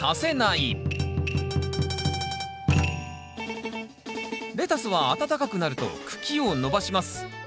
２つ目レタスは暖かくなると茎を伸ばします。